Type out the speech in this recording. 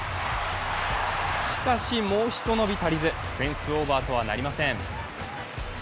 しかし、もうひと伸び足りずフェンスオーバーとはなりません。